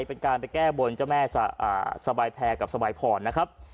เป็นการไปแก้บนเจ้าแม่สบายแพรกับสบายพรนะครับ